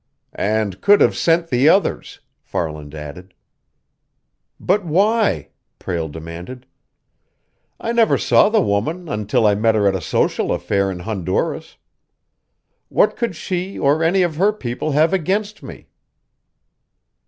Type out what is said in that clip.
"And could have sent the others," Farland added. "But, why?" Prale demanded. "I never saw the woman until I met her at a social affair in Honduras. What could she or any of her people have against me?"